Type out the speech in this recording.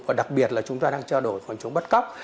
và đặc biệt là chúng ta đang trao đổi phòng chống bắt cóc